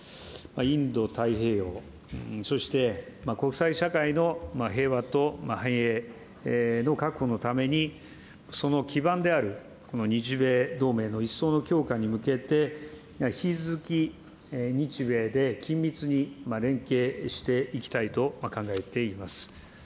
インド太平洋、そして国際社会の平和と繁栄の確保のために、その基盤であるこの日米同盟の一層の強化に向けて、引き続き日米で緊密に連携していきたいと考えています。